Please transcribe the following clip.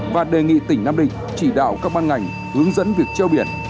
và đề nghị tỉnh nam định chỉ đạo các ban ngành hướng dẫn việc treo biển